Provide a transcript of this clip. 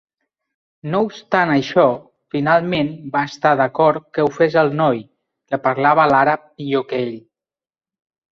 No obstant això, finalment, va estar d'acord que ho fes el noi, que parlava l'àrab millor que ell.